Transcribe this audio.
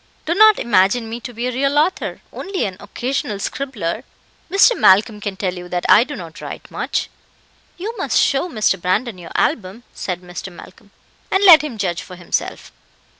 Do not imagine me to be a real author only an occasional scribbler. Mr. Malcolm can tell you that I do not write much." "You must show Mr. Brandon your album," said Mr. Malcolm, "and let him judge for himself."